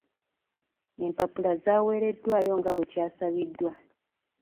Empapula zaweeredwayo nga bwe kyasabiddwa.